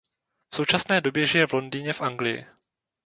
V současné době žije v Londýně v Anglii.